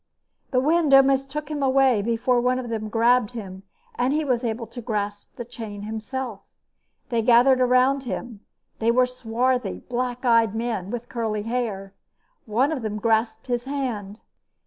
The wind almost took him away before one of them grabbed him and he was able to grasp the chain himself. They gathered around him. They were swarthy, black eyed men, with curly hair. One of them grasped his hand.